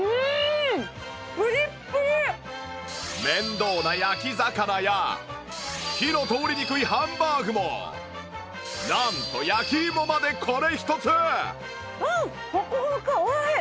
面倒な焼き魚や火の通りにくいハンバーグもなんと焼き芋までこれ一つ！